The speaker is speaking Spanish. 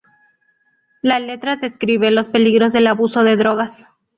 La letra describe los peligros del abuso de drogas.